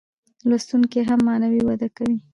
لوستونکی هم معنوي وده کوي.